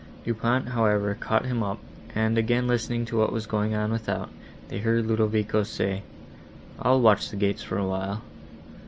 Du Pont, however, caught him up, and, again listening to what was going on without, they heard Ludovico say, "I'll watch the gates the while."